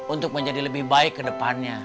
untuk menjadi lebih baik ke depannya